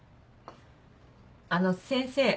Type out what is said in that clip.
あの先生。